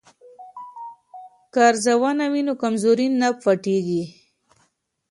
که ارزونه وي نو کمزوري نه پټیږي.